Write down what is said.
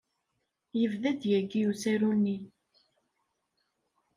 Yebda-d yagi usaru-nni.